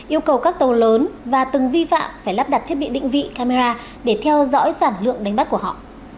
yêu cầu các tàu lớn và từng vi phạm phải lắp đặt thiết bị định vị camera để theo dõi sản lượng đánh bắt của họ